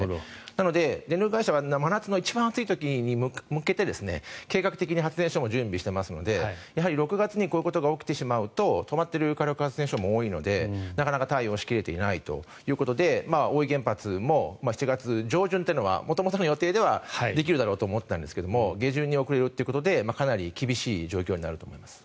なので、電力会社は真夏の一番暑い時に向けて計画的に発電所も準備していますので６月にこういうことが起きてしまうと止まっている火力発電所も多いのでなかなか対応しきれていないということで大飯原発も７月上旬は元々の予定ではできるだろうと思っていたんですが下旬に遅れるということでかなり厳しい状況だと思います。